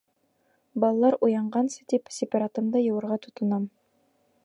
Балалар уянғансы тип, сепаратымды йыуырға тотонам.